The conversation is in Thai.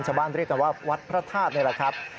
เรียกกันว่าวัดพระธาตุนี่แหละครับ